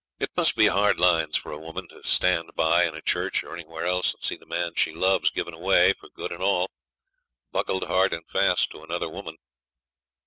It must be hard lines for a woman to stand by, in a church or anywhere else, and see the man she loves given away, for good and all, buckled hard and fast to another woman.